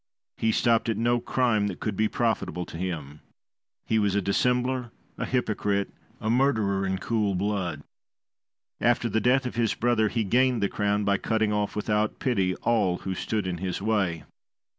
He stopped at no crime that could be profitable to him; he was a dissembler, a hypocrite, a murderer in cool blood. After the death of his brother he gained the crown by cutting off, without pity, all who stood in his way.